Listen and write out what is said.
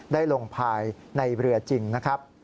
ได้ลงภายในเรือจริงนะครับ